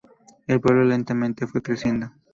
El pueblo lentamente fue creciendo.